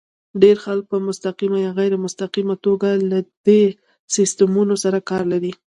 ډېر خلک په مستقیمه یا غیر مستقیمه توګه له دې سیسټمونو سره کار لري.